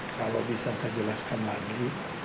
kalau bisa saya jelaskan lagi